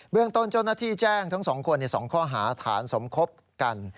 เบื้องต้นโจรนาธิแจ้งทั้งสองคนสองข้อหาฐานสมคบกัน